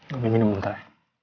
gua minum bentar